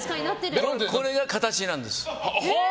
でも、これが形なんです。